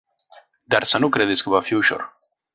Dar să nu credeți că va fi ușor.